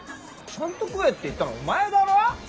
ちゃんと食えって言ったのお前だろ？